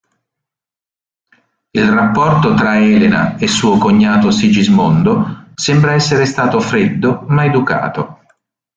Il rapporto tra Elena e suo cognato Sigismondo sembra essere stato freddo ma educato.